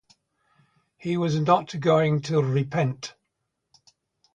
He was not going to repent.